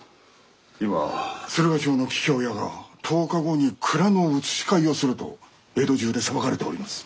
今駿河町の桔梗屋が１０日後に蔵の移し替えをすると江戸中で騒がれております。